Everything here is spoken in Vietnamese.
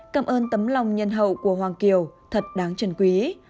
cảm ơn tấm lòng nhân hậu của hoàng kiều thật đáng chân quý